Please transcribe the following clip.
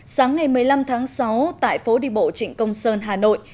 sáng ngày một mươi năm tháng sáu tại phố đi bộ trịnh công sơn hà nội